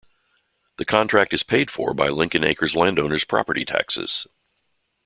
The contract is paid for by Lincoln Acres landowners' property taxes.